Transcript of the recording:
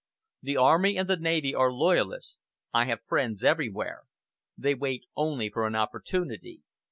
The army and the navy are loyalists. I have friends everywhere. They wait only for an opportunity.